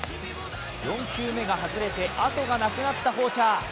４球目が外れてあとがなくなったフォーチャー。